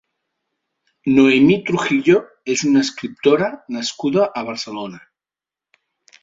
Noemí Trujillo és una escriptora nascuda a Barcelona.